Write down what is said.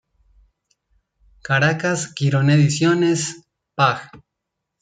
Caracas, Quirón Ediciones, pág.